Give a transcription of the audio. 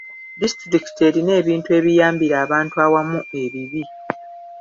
Disitulikiti erina ebintu ebiyambira abantu awamu ebibi.